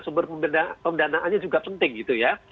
sumber pendanaannya juga penting gitu ya